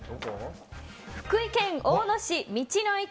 福井県大野市道の駅